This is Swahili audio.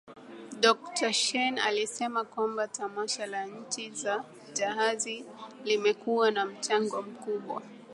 Dokta Shein alisema kwamba Tamasha la Nchi za jahazi limekuwa na mchango mkubwa